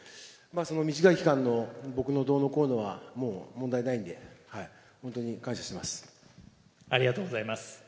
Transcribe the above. その短い期間の僕のどうのこうのはもう問題ないんで、本当に感謝ありがとうございます。